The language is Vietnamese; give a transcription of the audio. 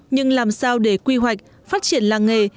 nhưng làm sao để quy hoạch phát triển làng nghề